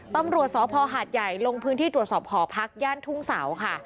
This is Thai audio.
ตำรวจสพหาดใหญ่ลงพื้นที่ตรวจสอบหอพักย่านทุ่งเสาค่ะ